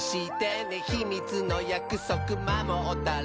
「ひみつのやくそくまもったら」